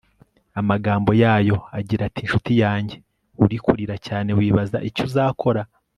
amagambo yayo agira ati nshuti yanjye uri kurira cyane wibaza icyo uzakora